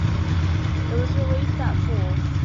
It was released that fall.